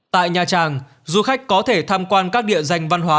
tại nhà trang du khách có thể tham quan các địa danh văn hóa